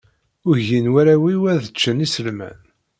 Ugin warraw-iw ad ččen iselman.